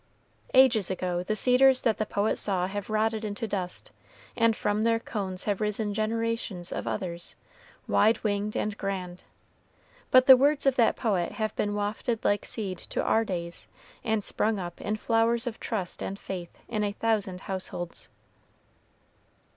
Ages ago the cedars that the poet saw have rotted into dust, and from their cones have risen generations of others, wide winged and grand. But the words of that poet have been wafted like seed to our days, and sprung up in flowers of trust and faith in a thousand households.